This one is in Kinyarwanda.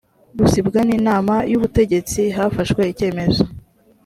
gusibwa n inama y ubutegetsi hafashwe icyemezo